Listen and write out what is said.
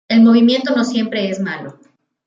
El movimiento no siempre es malo.